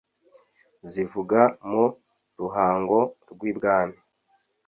Zivuga mu Ruhango rw' ibwami